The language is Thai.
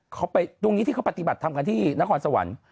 เขาไปตรงนี้ที่เขาปฏิบัติทำกันที่นครสวรรค์